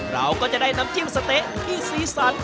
เราก็จะได้น้ำจิ้มสะเต๊ะที่สีสัน